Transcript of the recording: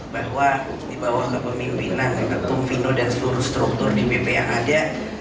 bahwa di bawah kepemimpinan ketum vino dan seluruh struktur di bmi yang ada